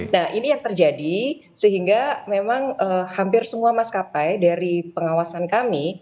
nah ini yang terjadi sehingga memang hampir semua maskapai dari pengawasan kami